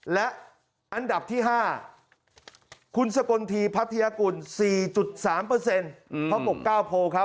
และอันดับที่ห้าคุณสกลทิพฤติยกุล๔๓พปก๙๐